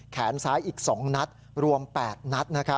แขนซ้ายอีก๒นัดรวม๘นัด